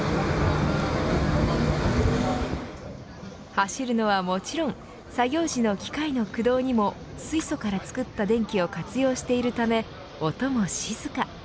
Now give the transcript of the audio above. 走るのはもちろん作業中の機械の駆動にも水素から作った電気を活用しているため音も静か。